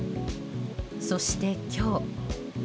そして、今日。